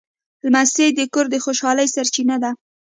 لمسی د کور د خوشحالۍ سرچینه ده.